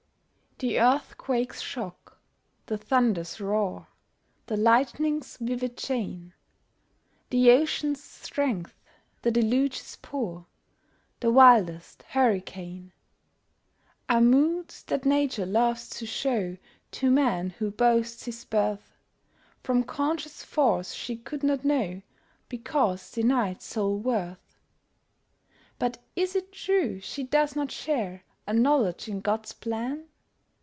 The earthquake's shock, the thunder's roar, The lightning's vivid chain, The ocean's strength, the deluge's pour, The wildest hurricane, Are moods that Nature loves to show To man who boasts his birth From conscious force she could not know Because denied soul worth. But is it true she does not share A knowledge in God's plan?